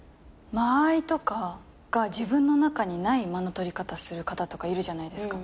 間合いとかが自分の中にない間の取り方する方とかいるじゃないですか。